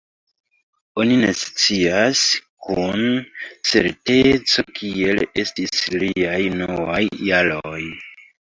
Oni ne scias kun certeco kiel estis liaj unuaj jaroj.